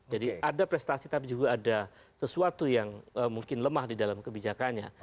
jadi ada prestasi tapi juga ada sesuatu yang mungkin lemah di dalam kebijakannya